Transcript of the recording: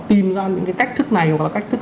tìm ra những cái cách thức này hoặc là cách thức